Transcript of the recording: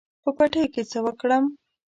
په پټیو کې څه وکړم.